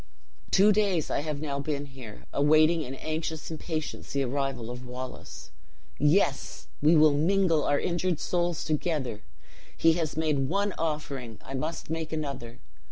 "Two days I have now been here, awaiting in anxious impatience the arrival of Wallace. Yes! we will mingle our injured souls together! He has made one offering; I must make another!